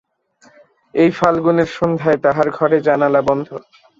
এই ফাল্গুনের সন্ধ্যায় তাহার ঘরে জানলা বন্ধ।